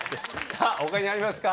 さぁ他にありますか？